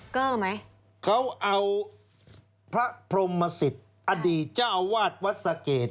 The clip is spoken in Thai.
เกอร์ไหมเขาเอาพระพรมศิษย์อดีตเจ้าวาดวัดสะเกด